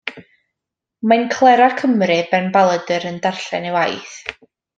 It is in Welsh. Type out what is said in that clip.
Mae'n clera Cymru benbaladr yn darllen ei waith.